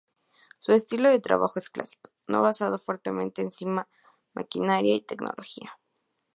Su estilo de trabajo es clásico, no basado fuertemente encima maquinaria y tecnología.